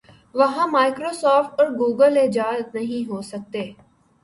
وہاں Microsoft اور Google ایجاد نہیں ہو سکتے۔